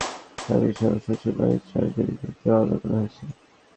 তাঁকে হত্যা করার অভিযোগে তাঁর স্বামীসহ শ্বশুরবাড়ির চারজনের বিরুদ্ধে মামলা করা হয়েছে।